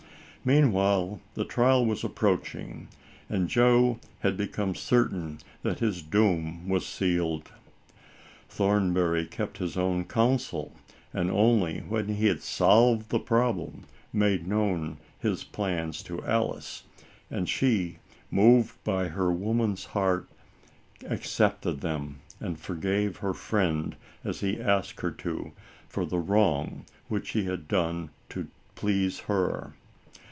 Meanwhile the trial was approaching, and Joe had become certain that his doom was sealed. Thornbury kept his own counsel, and, only when he had solved the problem, made known his plans to Alice; and she, moved by her woman's heart, accepted them, and forgave her "friend," as he asked her to, for the wrong which he had done to please her.